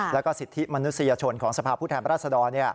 แล้วก็สิทธิมนุษยชนของสภาพผู้แทนราชดร